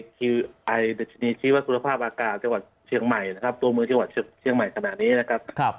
ใช่ภาพอากาศเชียงใหม่ขนาดนี้นะครับ